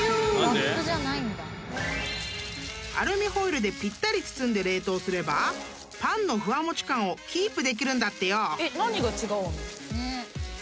［アルミホイルでぴったり包んで冷凍すればパンのふわもち感をキープできるんだってよ］